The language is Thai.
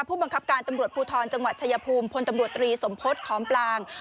ผู้บังคับการตำรวจภูทรจังหวัดชายภูมิพลตำรวจตรีสมพฤษของกลาง